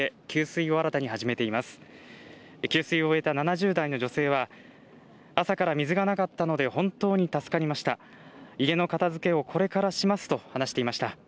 給水を終えた７０代の女性は朝から水がなかったので本当に助かりました。